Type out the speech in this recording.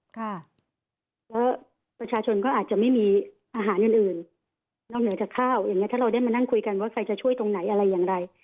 แล้วประชาชนก็อาจจะไม่มีอาหารอื่นอื่นนอกเหนือจากข้าวอย่างเงี้ถ้าเราได้มานั่งคุยกันว่าใครจะช่วยตรงไหนอะไรอย่างไร